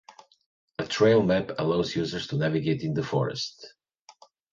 A trail map allows users to navigate in the forest.